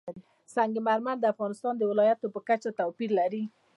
سنگ مرمر د افغانستان د ولایاتو په کچه توپیر لري.